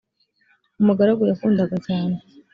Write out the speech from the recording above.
umugaragu yakundaga cyane